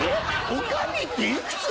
女将っていくつ？